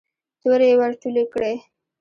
تورې يې ور ټولې کړې.